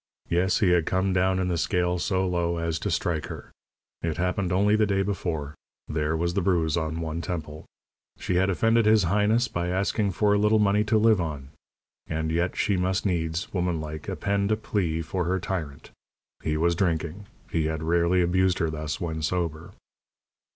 Yes, he had come down in the scale so low as to strike her. It happened only the day before there was the bruise on one temple she had offended his highness by asking for a little money to live on. And yet she must needs, woman like, append a plea for her tyrant he was drinking; he had rarely abused her thus when sober.